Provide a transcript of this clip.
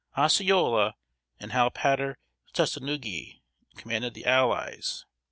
Osceola and Halpatter Tustenuggee commanded the allies.